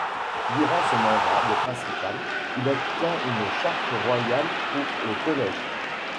Durant son mandat de principale, elle obtient une charte royale pour le collège.